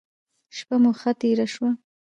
شپه مو ښه تیره شوه.